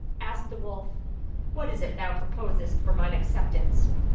Asked the wolf, "What is it thou proposest for mine acceptance?"